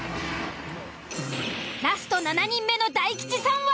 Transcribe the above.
ラスト７人目の大吉さんは。